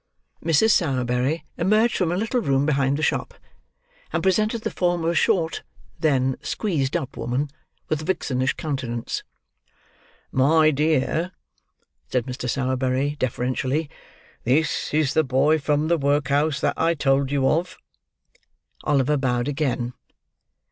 Mrs. Sowerberry emerged from a little room behind the shop, and presented the form of a short, thin, squeezed up woman, with a vixenish countenance. "My dear," said Mr. Sowerberry, deferentially, "this is the boy from the workhouse that I told you of." Oliver bowed again.